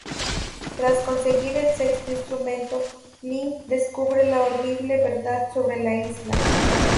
Tras conseguir el sexto instrumento, Link descubre la horrible verdad sobre la isla.